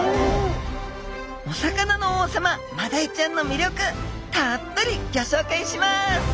お魚の王様マダイちゃんのみりょくたっぷりギョしょうかいします！